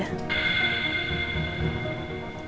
aku harap kamu masih punya integritas ya mas